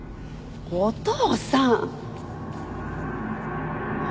お父さん！